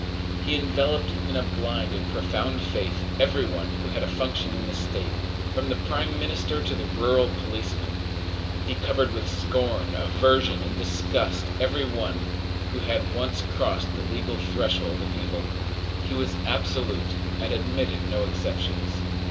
He enveloped in a blind and profound faith every one who had a function in the state, from the prime minister to the rural policeman. He covered with scorn, aversion, and disgust every one who had once crossed the legal threshold of evil. He was absolute, and admitted no exceptions.